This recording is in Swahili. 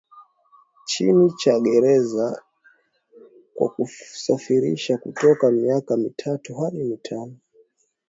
chini cha gerezani kwa kusafirisha kutoka miaka mitatu hadi mitano